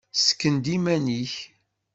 Sken-d iman-ik!